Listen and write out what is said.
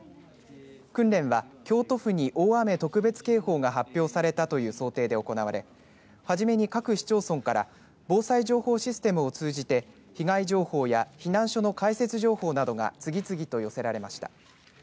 訓練は、京都府に大雨特別警報が発表されたという想定で行われはじめに各市町村から防災情報システムを通じて被害情報や避難所の開設情報などが次々と寄せられました。